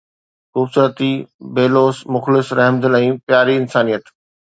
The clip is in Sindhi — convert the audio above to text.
خوبصورت، بي لوث، مخلص، رحمدل ۽ پياري انسانيت.